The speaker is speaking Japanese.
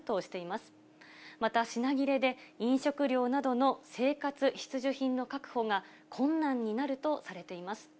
また品切れで、飲食料などの生活必需品の確保が困難になるとされています。